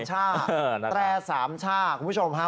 แตแปนสามช่าคุณผู้ชมฮะ